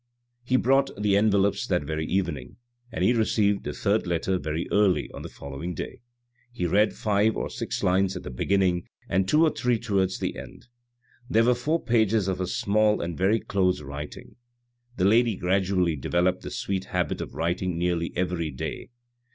He brought the envelopes that very evening, and he received the third letter very early on the following day : he read five or six lines at the beginning, and two or three towards the end. There were four pages of a small and very close writing. The lady gradually developed the sweet habit of writing nearly every day.